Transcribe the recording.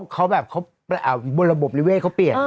เขาแบบบนระบบนิเวศเขาเปลี่ยน